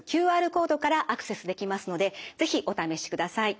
ＱＲコードからアクセスできますので是非お試しください。